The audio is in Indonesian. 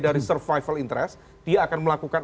dari survival interest dia akan melakukan